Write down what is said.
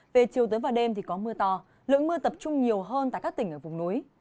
về chiều tối và đêm thì có mưa to lượng mưa tập trung nhiều hơn tại các tỉnh ở vùng núi